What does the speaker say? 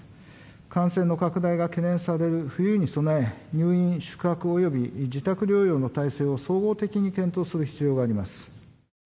感染の拡大が懸念される冬に備え、入院宿泊および自宅療養の体制を総合的に検討する必要があります。